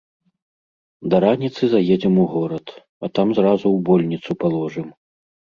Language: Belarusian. Да раніцы заедзем у горад, а там зразу ў больніцу паложым.